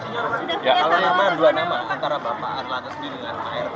kalau nama dua nama antara bapak arlata sendiri dan pak erta